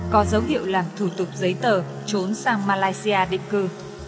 có dấu hiệu làm thủ tục giấy tờ trốn sang malaysia định cư